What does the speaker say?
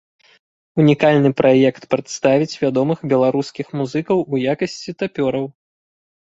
Унікальны праект прадставіць вядомых беларускіх музыкаў у якасці тапёраў.